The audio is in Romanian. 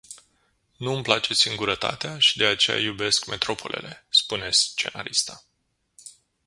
Nu îmi place singurătatea și de aceea iubesc metropolele spune scenarista.